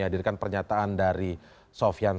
hadirkan pernyataan dari sofyan